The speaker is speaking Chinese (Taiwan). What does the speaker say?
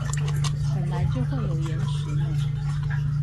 本來就會有延遲呢